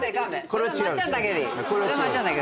それはまっちゃんだけでいい。